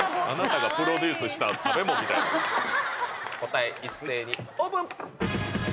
答え一斉にオープン！